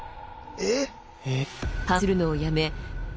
えっ！